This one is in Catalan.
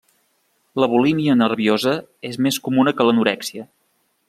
La bulímia nerviosa és més comuna que l'anorèxia.